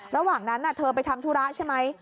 ระหว่างนั้นเธอไปทำธุระใช่ไหม